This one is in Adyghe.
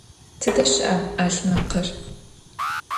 Tıde şı'a 'alhmekhır?